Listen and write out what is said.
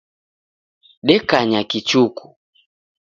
Dekanya kichuku.